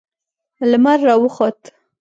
لمر را وخوت.